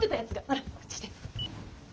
ほらこっち来て。